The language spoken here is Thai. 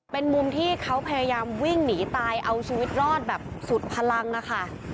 เป็นมุมที่เขาพยายามวิ่งหนีตายเอาชีวิตรอดแบบสุดพลังนะคะ